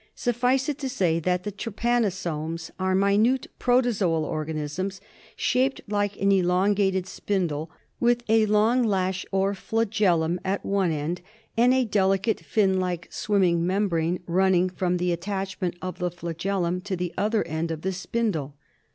Suf (P""» ■* fi^'" "^«'■ i" s *:"■•■■) fice it to say that the trypanosomes are minute protozoal organisms shaped like an elongated spindle, with a long lash or flagellum at one end and a delicate fin like swimming membrane running from the attachment of the flagellum to the other end of the spindle.